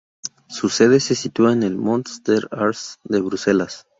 Su sede se sitúa en el "Mont des Arts" de Bruselas.